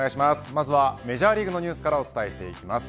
まずはメジャーリーグのニュースからお伝えしていきます。